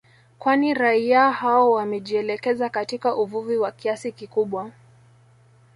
Kwani raia hao wamejielekeza katika uvuvi kwa kiasi kikubwa